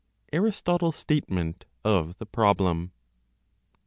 ARISTOTLE'S STATEMENT OF THE PROBLEM.